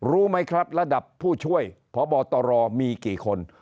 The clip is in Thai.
รู้ไหมครับระดับผู้ช่วยพบตรมีกี่คน